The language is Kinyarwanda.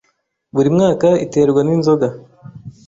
buri mwaka iterwa n’inzoga